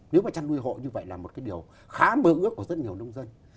nếu mà chăn nuôi hộ như vậy là một cái điều khá mơ ước của rất nhiều nông dân